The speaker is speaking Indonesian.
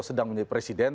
sedang menjadi presiden